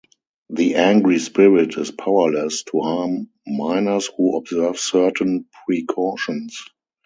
The angry spirit is powerless to harm miners who observe certain precautions.